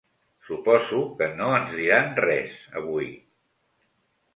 Suposo que no ens diran res, avui.